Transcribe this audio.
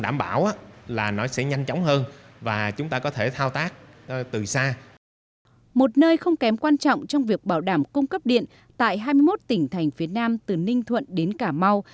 một nơi không kém quan trọng trong việc bảo đảm cung cấp điện tại hai mươi một tỉnh thành phía nam từ ninh thuận đến cà mau